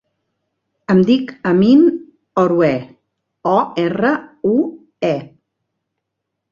Em dic Amin Orue: o, erra, u, e.